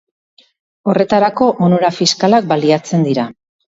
Horretarako, onura fiskalak baliatzen dira.